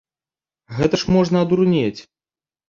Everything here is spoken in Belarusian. Гэта ж можна адурнець!